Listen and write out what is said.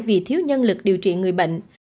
vì thiếu nhân lực điều trị người bệnh